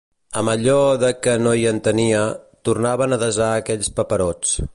Amb allò de que no hi entenia, tornaven a desar aquells paperots